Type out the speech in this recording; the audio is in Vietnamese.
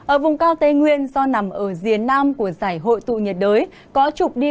ở vùng cao tây nguyên do nằm ở diện nam của giải hội tụ nhiệt đới